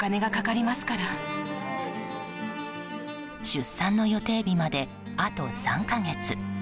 出産の予定日まであと３か月。